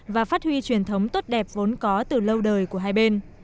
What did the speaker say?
và phát huy truyền thống tốt đẹp vốn có từ lâu đời của hai bên